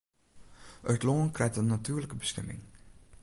It lân krijt in natuerlike bestimming.